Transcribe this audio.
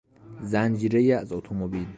زنجیرهای از اتومبیل